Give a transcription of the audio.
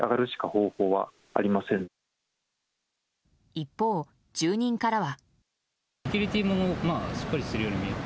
一方、住人からは。